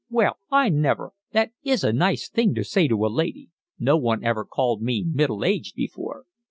"Well, I never! That is a nice thing to say to a lady. No one ever called me middle aged before."